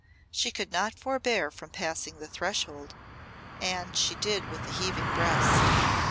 She could not forbear from passing the threshold, and she did with heaving breast.